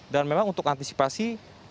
dan memang untuk antisipasi